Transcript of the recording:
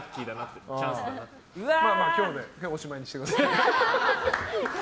今日でおしまいにしてください。